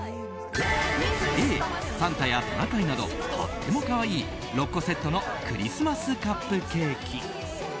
Ａ、サンタやトナカイなどとっても可愛い６個セットのクリスマスカップケーキ。